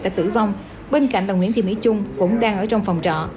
đã tử vong bên cạnh bà nguyễn thị mỹ trung cũng đang ở trong phòng trọ